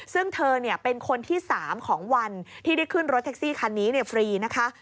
ซึ่งเธอเป็นคนที่๓ของวันที่ได้ขึ้นรถแท็กซี่คันนี้ฟรีนะคะ